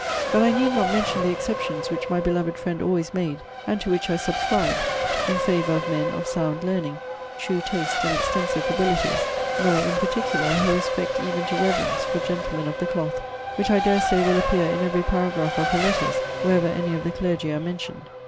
But I need not mention the exceptions which my beloved friend always made [and to which I subscribe] in favour of men of sound learning, true taste, and extensive abilities; nor, in particular, her respect even to reverence for gentlemen of the cloath; which, I dare say, will appear in every paragraph of her letters wherever any of the clergy are mentioned.